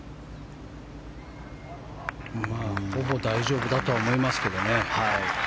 ほぼ大丈夫だとは思いますけどね。